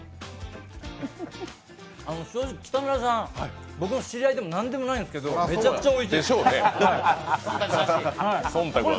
正直、北村さん、僕の知り合いでもなんでもないんですけど、めちゃくちゃおいしいです。でしょうね。